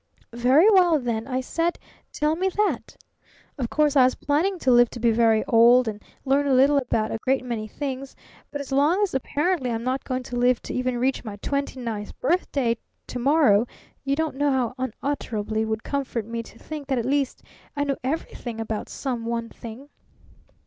'Very well, then,' I said, 'tell me that! Of course I was planning to live to be very old and learn a little about a great many things; but as long as apparently I'm not going to live to even reach my twenty ninth birthday to morrow you don't know how unutterably it would comfort me to think that at least I knew everything about some one thing!'